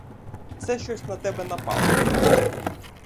Це щось на тебе напало.